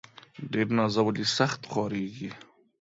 ډير نازولي ، سخت خوارېږي.